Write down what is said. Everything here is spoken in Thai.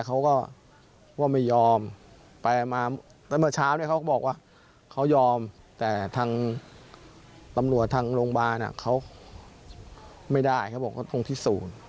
เขาไม่ได้เขาบอกว่าตรงที่ศูนย์